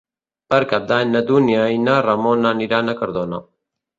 Per Cap d'Any na Dúnia i na Ramona aniran a Cardona.